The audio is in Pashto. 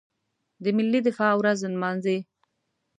د ملي دفاع ورځ نمانځي.